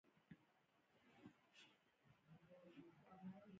محسوس تشبیه له محسوس سره د تشبېه وېش.